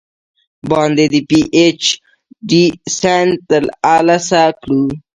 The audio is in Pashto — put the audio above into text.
باندې د پې اي چ ډي سند تر السه کړو ۔